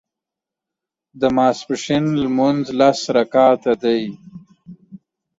د ماسپښين لمونځ لس رکعته دی